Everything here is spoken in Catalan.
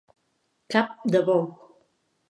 Cap de bou.